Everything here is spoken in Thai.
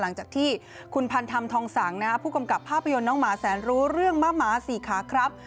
หลังจากที่คุณพันธรรมทองสังผู้กำกับภาพยนตร์น้องหมาแสนรู้เรื่องมะหมาสี่ขาครับ